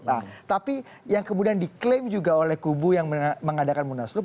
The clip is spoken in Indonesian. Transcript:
nah tapi yang kemudian diklaim juga oleh kubu yang mengadakan munaslup